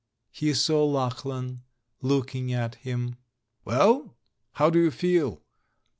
He saw Lachlan looking at him. "Well, how do you feel?"